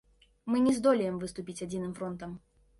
Мы не здолеем выступіць адзіным фронтам.